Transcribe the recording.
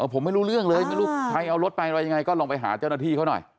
ผมไม่รู้เรื่องเลยไม่รู้ใครเอารถไปอะไรยังไงก็ลองไปหาเจ้าหน้าที่เขาหน่อย